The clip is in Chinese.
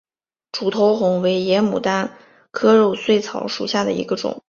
楮头红为野牡丹科肉穗草属下的一个种。